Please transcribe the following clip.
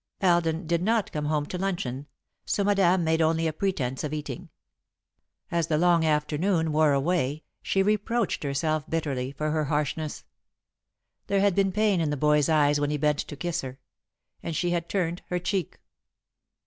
Alden did not come home to luncheon, so Madame made only a pretence of eating. As the long afternoon wore away, she reproached herself bitterly for her harshness. There had been pain in the boy's eyes when he bent to kiss her and she had turned her cheek.